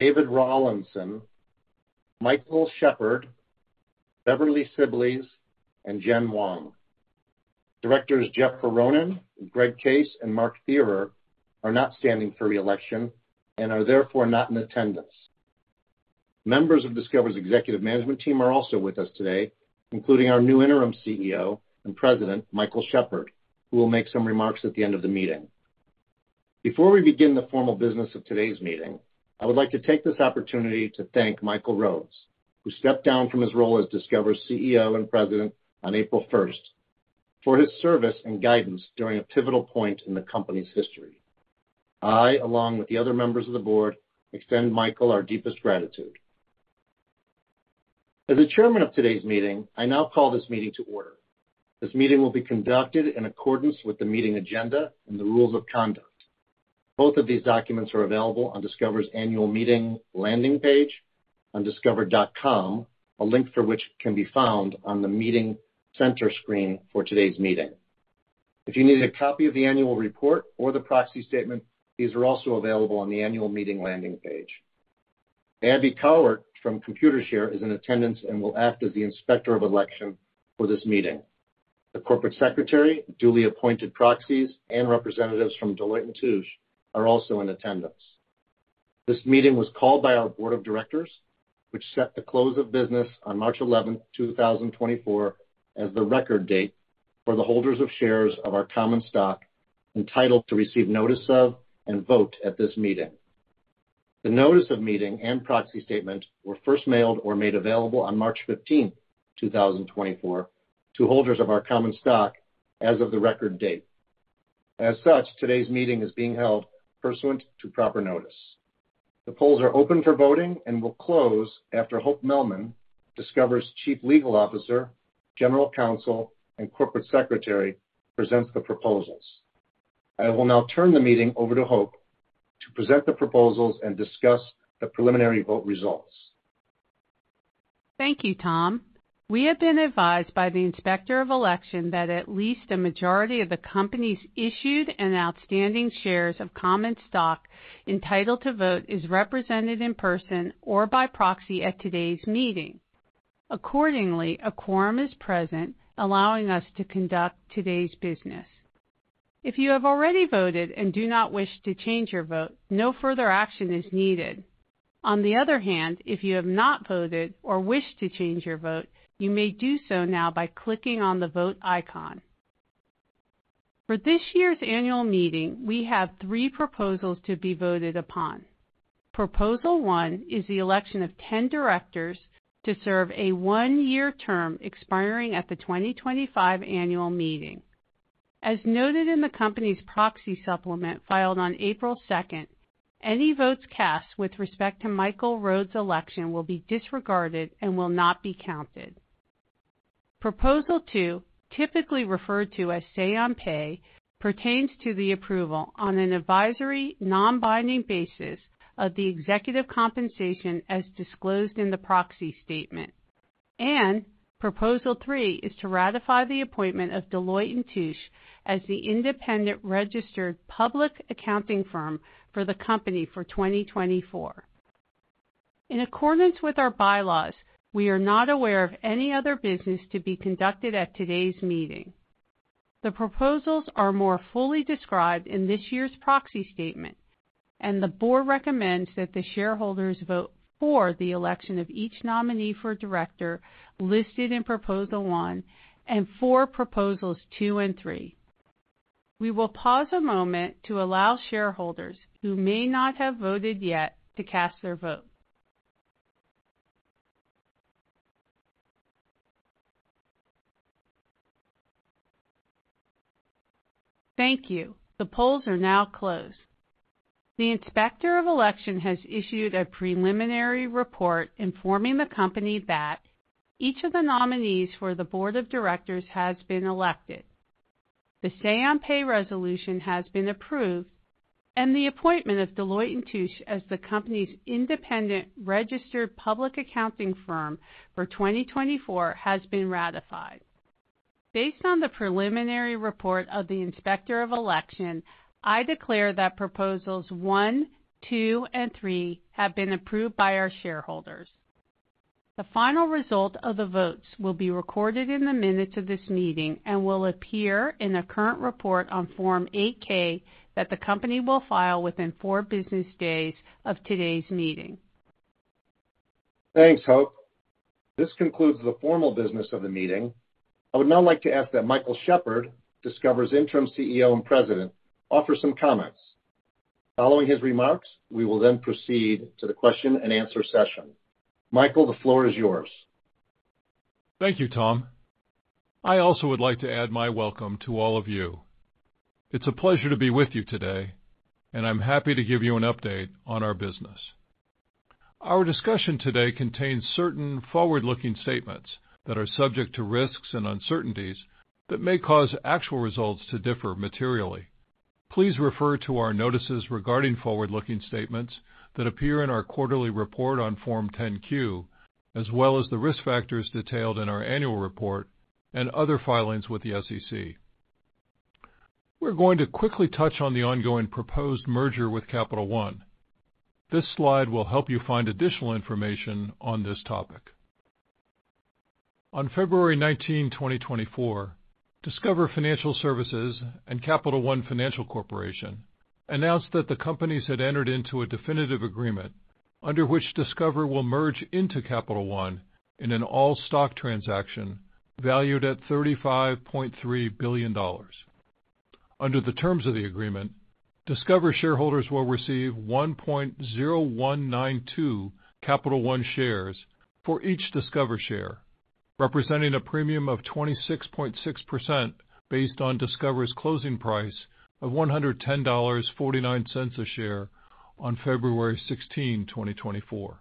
David Rawlinson, Michael Shepherd, Beverley Sibblies, and Jen Wong. Directors Jeffrey Aronin, Gregory Case, and Mark Thierer are not standing for reelection and are therefore not in attendance. Members of Discover's executive management team are also with us today, including our new interim CEO and President, Michael Shepherd, who will make some remarks at the end of the meeting. Before we begin the formal business of today's meeting, I would like to take this opportunity to thank Michael Rhodes, who stepped down from his role as Discover's CEO and President on April 1st, for his service and guidance during a pivotal point in the company's history. I, along with the other members of the board, extend Michael our deepest gratitude. As the chairman of today's meeting, I now call this meeting to order. This meeting will be conducted in accordance with the meeting agenda and the rules of conduct. Both of these documents are available on Discover's annual meeting landing page on discover.com, a link for which can be found on the meeting center screen for today's meeting. If you need a copy of the annual report or the proxy statement, these are also available on the annual meeting landing page. Abby Cowart from Computershare is in attendance and will act as the inspector of election for this meeting. The corporate secretary, duly appointed proxies, and representatives from Deloitte & Touche are also in attendance. This meeting was called by our board of directors, which set the close of business on March 11, 2024, as the record date for the holders of shares of our common stock entitled to receive notice of and vote at this meeting. The notice of meeting and proxy statement were first mailed or made available on March 15, 2024, to holders of our common stock as of the record date. As such, today's meeting is being held pursuant to proper notice. The polls are open for voting and will close after Hope Mehlman, Discover's Chief Legal Officer, General Counsel, and Corporate Secretary, presents the proposals. I will now turn the meeting over to Hope to present the proposals and discuss the preliminary vote results. Thank you, Tom. We have been advised by the inspector of election that at least a majority of the company's issued and outstanding shares of common stock entitled to vote is represented in person or by proxy at today's meeting. Accordingly, a quorum is present allowing us to conduct today's business. If you have already voted and do not wish to change your vote, no further action is needed. On the other hand, if you have not voted or wish to change your vote, you may do so now by clicking on the vote icon. For this year's annual meeting, we have three proposals to be voted upon. Proposal one is the election of 10 directors to serve a one-year term expiring at the 2025 annual meeting. As noted in the company's proxy supplement filed on April 2nd, any votes cast with respect to Michael Rhodes' election will be disregarded and will not be counted. Proposal two, typically referred to as say-on-pay, pertains to the approval on an advisory non-binding basis of the executive compensation as disclosed in the proxy statement. Proposal three is to ratify the appointment of Deloitte & Touche as the independent registered public accounting firm for the company for 2024. In accordance with our bylaws, we are not aware of any other business to be conducted at today's meeting. The proposals are more fully described in this year's proxy statement, and the board recommends that the shareholders vote for the election of each nominee for director listed in proposal one and for proposals two and three. We will pause a moment to allow shareholders who may not have voted yet to cast their vote. Thank you. The polls are now closed. The Inspector of election has issued a preliminary report informing the company that: each of the nominees for the board of directors has been elected. The say-on-pay resolution has been approved. And the appointment of Deloitte & Touche as the company's independent registered public accounting firm for 2024 has been ratified. Based on the preliminary report of the Inspector of election, I declare that proposals one, two, and three have been approved by our shareholders. The final result of the votes will be recorded in the minutes of this meeting and will appear in the current report on Form 8-K that the company will file within four business days of today's meeting. Thanks, Hope. This concludes the formal business of the meeting. I would now like to ask that Michael Shepherd, Discover's interim CEO and President, offer some comments. Following his remarks, we will then proceed to the question-and-answer session. Michael, the floor is yours. Thank you, Tom. I also would like to add my welcome to all of you. It's a pleasure to be with you today, and I'm happy to give you an update on our business. Our discussion today contains certain forward-looking statements that are subject to risks and uncertainties that may cause actual results to differ materially. Please refer to our notices regarding forward-looking statements that appear in our quarterly report on Form 10-Q, as well as the risk factors detailed in our annual report and other filings with the SEC. We're going to quickly touch on the ongoing proposed merger with Capital One. This slide will help you find additional information on this topic. On February 19, 2024, Discover Financial Services and Capital One Financial Corporation announced that the companies had entered into a definitive agreement under which Discover will merge into Capital One in an all-stock transaction valued at $35.3 billion. Under the terms of the agreement, Discover shareholders will receive 1.0192 Capital One shares for each Discover share, representing a premium of 26.6% based on Discover's closing price of $110.49 a share on February 16, 2024.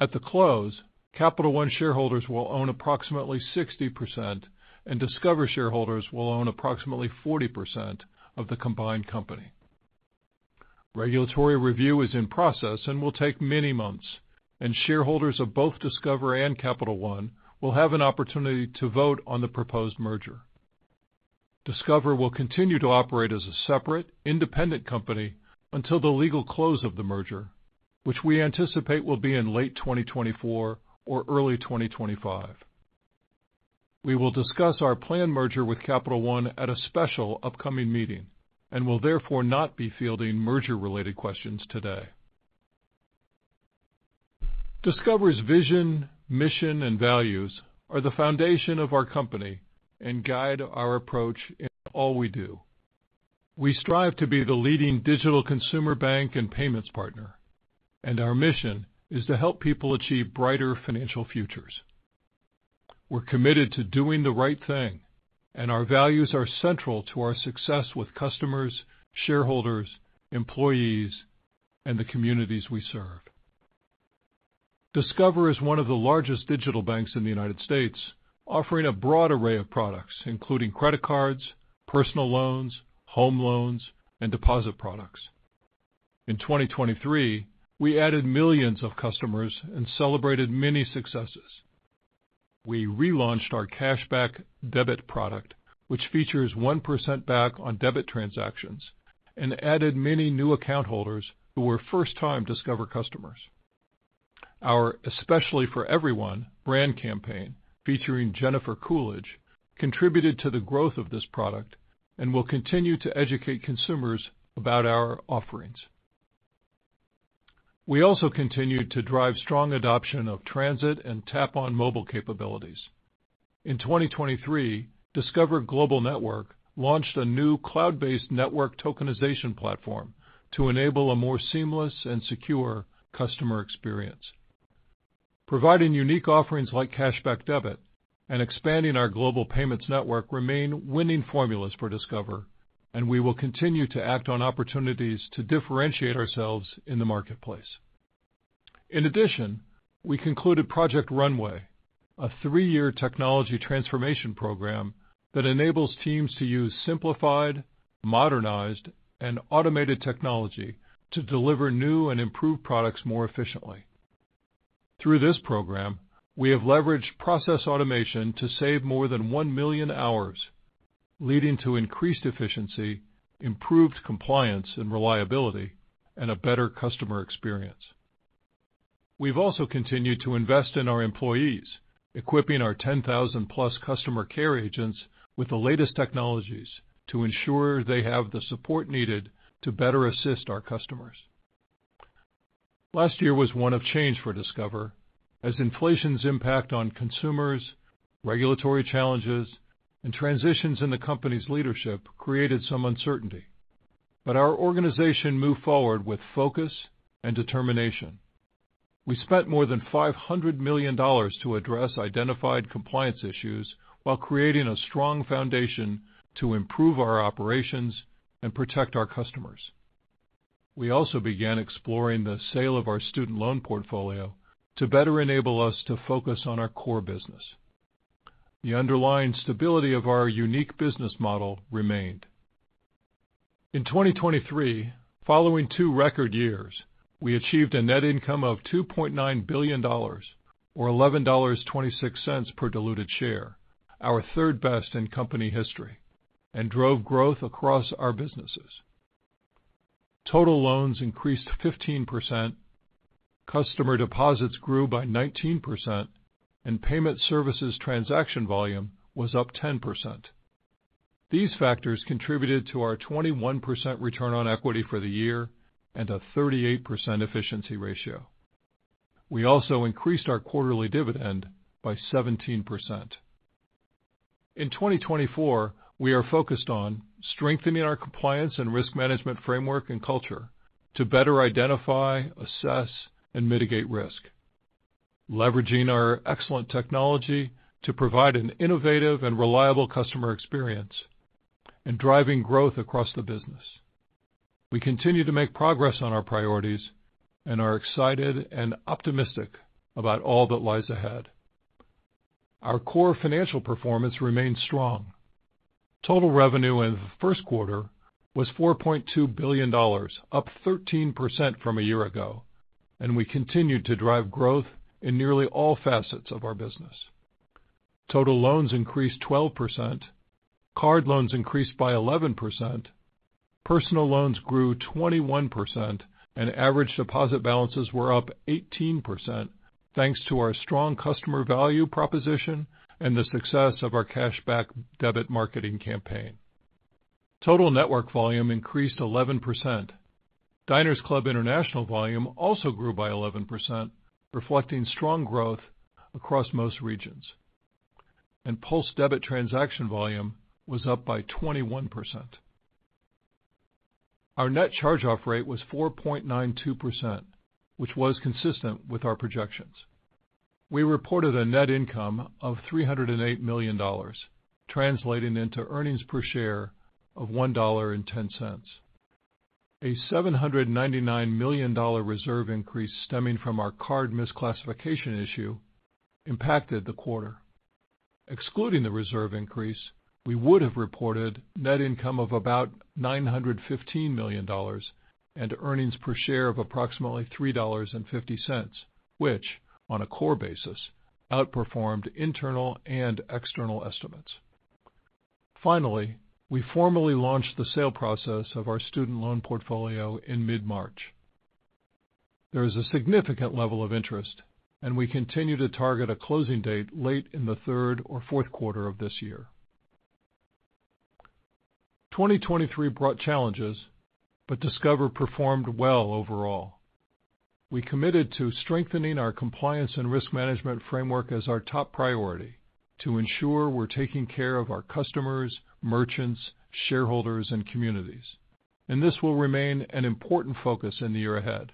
At the close, Capital One shareholders will own approximately 60%, and Discover shareholders will own approximately 40% of the combined company. Regulatory review is in process and will take many months, and shareholders of both Discover and Capital One will have an opportunity to vote on the proposed merger. Discover will continue to operate as a separate, independent company until the legal close of the merger, which we anticipate will be in late 2024 or early 2025. We will discuss our planned merger with Capital One at a special upcoming meeting and will therefore not be fielding merger-related questions today. Discover's vision, mission, and values are the foundation of our company and guide our approach in all we do. We strive to be the leading digital consumer bank and payments partner, and our mission is to help people achieve brighter financial futures. We're committed to doing the right thing, and our values are central to our success with customers, shareholders, employees, and the communities we serve. Discover is one of the largest digital banks in the United States, offering a broad array of products including credit cards, personal loans, home loans, and deposit products. In 2023, we added millions of customers and celebrated many successes. We relaunched our Cashback Debit product, which features 1% back on debit transactions, and added many new account holders who were first-time Discover customers. Our "Especially for Everyone" brand campaign featuring Jennifer Coolidge contributed to the growth of this product and will continue to educate consumers about our offerings. We also continue to drive strong adoption of transit and tap-on mobile capabilities. In 2023, Discover Global Network launched a new cloud-based network tokenization platform to enable a more seamless and secure customer experience. Providing unique offerings like Cashback Debit and expanding our global payments network remain winning formulas for Discover, and we will continue to act on opportunities to differentiate ourselves in the marketplace. In addition, we concluded Project Runway, a three-year technology transformation program that enables teams to use simplified, modernized, and automated technology to deliver new and improved products more efficiently. Through this program, we have leveraged process automation to save more than 1 million hours, leading to increased efficiency, improved compliance and reliability, and a better customer experience. We've also continued to invest in our employees, equipping our 10,000-plus customer care agents with the latest technologies to ensure they have the support needed to better assist our customers. Last year was one of change for Discover, as inflation's impact on consumers, regulatory challenges, and transitions in the company's leadership created some uncertainty. But our organization moved forward with focus and determination. We spent more than $500 million to address identified compliance issues while creating a strong foundation to improve our operations and protect our customers. We also began exploring the sale of our student loan portfolio to better enable us to focus on our core business. The underlying stability of our unique business model remained. In 2023, following two record years, we achieved a net income of $2.9 billion or $11.26 per diluted share, our third best in company history, and drove growth across our businesses. Total loans increased 15%, customer deposits grew by 19%, and payment services transaction volume was up 10%. These factors contributed to our 21% return on equity for the year and a 38% efficiency ratio. We also increased our quarterly dividend by 17%. In 2024, we are focused on: strengthening our compliance and risk management framework and culture to better identify, assess, and mitigate risk; leveraging our excellent technology to provide an innovative and reliable customer experience; and driving growth across the business. We continue to make progress on our priorities and are excited and optimistic about all that lies ahead. Our core financial performance remains strong. Total revenue in the first quarter was $4.2 billion, up 13% from a year ago, and we continue to drive growth in nearly all facets of our business. Total loans increased 12%, card loans increased by 11%, personal loans grew 21%, and average deposit balances were up 18% thanks to our strong customer value proposition and the success of our Cashback Debit marketing campaign. Total network volume increased 11%, Diners Club International volume also grew by 11%, reflecting strong growth across most regions. And PULSE Debit transaction volume was up by 21%. Our net charge-off rate was 4.92%, which was consistent with our projections. We reported a net income of $308 million, translating into earnings per share of $1.10. A $799 million reserve increase stemming from our card misclassification issue impacted the quarter. Excluding the reserve increase, we would have reported net income of about $915 million and earnings per share of approximately $3.50, which, on a core basis, outperformed internal and external estimates. Finally, we formally launched the sale process of our student loan portfolio in mid-March. There is a significant level of interest, and we continue to target a closing date late in the third or fourth quarter of this year. 2023 brought challenges, but Discover performed well overall. We committed to strengthening our compliance and risk management framework as our top priority to ensure we're taking care of our customers, merchants, shareholders, and communities, and this will remain an important focus in the year ahead.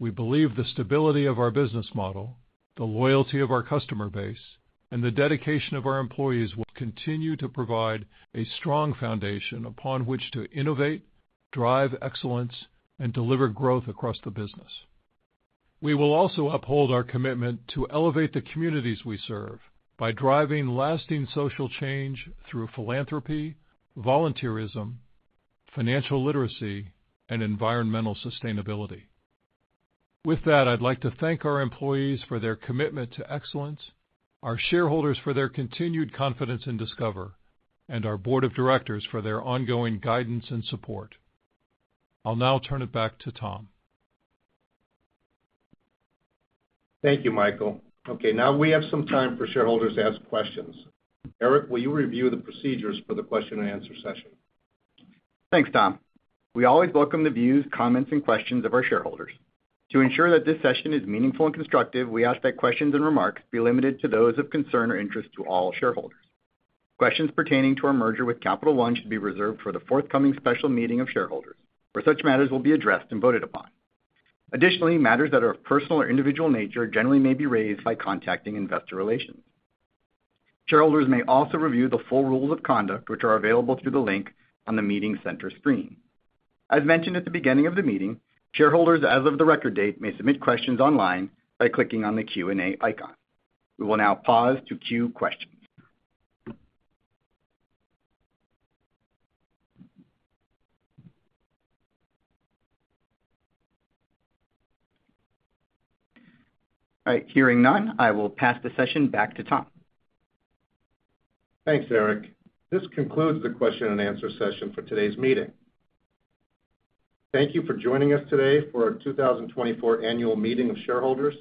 We believe the stability of our business model, the loyalty of our customer base, and the dedication of our employees will continue to provide a strong foundation upon which to innovate, drive excellence, and deliver growth across the business. We will also uphold our commitment to elevate the communities we serve by driving lasting social change through philanthropy, volunteerism, financial literacy, and environmental sustainability. With that, I'd like to thank our employees for their commitment to excellence, our shareholders for their continued confidence in Discover, and our board of directors for their ongoing guidance and support. I'll now turn it back to Tom. Thank you, Michael. Okay, now we have some time for shareholders to ask questions. Eric, will you review the procedures for the question-and-answer session? Thanks, Tom. We always welcome the views, comments, and questions of our shareholders. To ensure that this session is meaningful and constructive, we ask that questions and remarks be limited to those of concern or interest to all shareholders. Questions pertaining to our merger with Capital One should be reserved for the forthcoming special meeting of shareholders, where such matters will be addressed and voted upon. Additionally, matters that are of personal or individual nature generally may be raised by contacting investor relations. Shareholders may also review the full rules of conduct, which are available through the link on the meeting center screen. As mentioned at the beginning of the meeting, shareholders, as of the record date, may submit questions online by clicking on the Q&A icon. We will now pause to cue questions. All right, hearing none, I will pass the session back to Tom. Thanks, Eric. This concludes the question-and-answer session for today's meeting. Thank you for joining us today for our 2024 annual meeting of shareholders.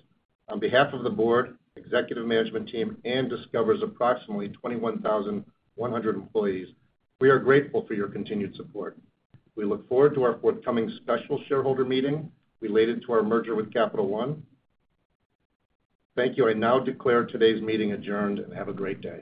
On behalf of the board, executive management team, and Discover's approximately 21,100 employees, we are grateful for your continued support. We look forward to our forthcoming special shareholder meeting related to our merger with Capital One. Thank you. I now declare today's meeting adjourned and have a great day.